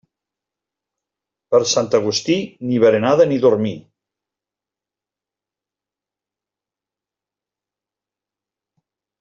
Per Sant Agustí, ni berenada ni dormir.